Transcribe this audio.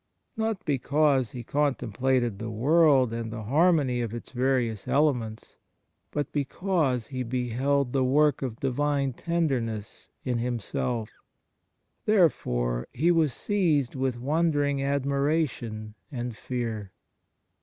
Not because he contemplated the world and .the harmony of its various elements, but because he beheld the work of Divine tenderness in himself, therefore he was seized with wondering admiration and fear."